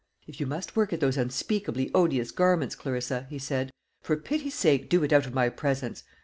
"If you must work at those unspeakably odious garments, Clarissa," he said, "for pity's sake do it out of my presence.